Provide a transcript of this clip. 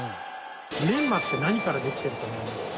メンマって何からできてると思いますか？